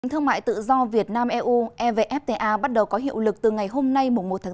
thương mại tự do việt nam eu evfta bắt đầu có hiệu lực từ ngày hôm nay một tháng bốn